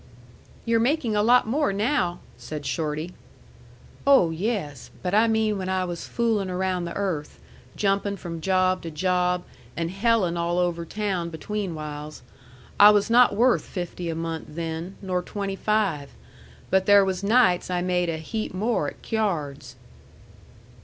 "You're making a lot more now," said Shorty. "Oh, yes. But I mean when I was fooling around the earth, jumping from job to job, and helling all over town between whiles. I was not worth fifty a month then, nor twenty five. But there was nights I made a heap more at cyards."